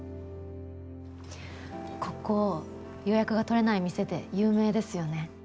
ここ予約が取れない店で有名ですよね。